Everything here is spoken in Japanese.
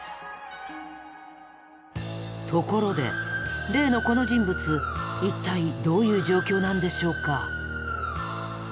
ところで例のこの人物一体どういう状況なんでしょうか？